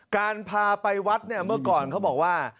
การพาไปวัดเนี่ยเมื่อก่อนเขาบอกว่า